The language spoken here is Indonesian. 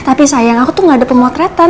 tapi sayang aku tuh gak ada pemotretan